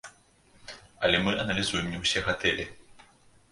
Але мы аналізуем не ўсе гатэлі.